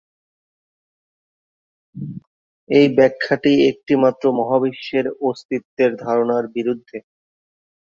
এই ব্যাখ্যাটি একটি মাত্র মহাবিশ্বের অস্তিত্বের ধারণার বিরুদ্ধে।